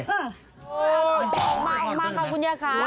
อ้อออกมาขอบคุณยาค่ะ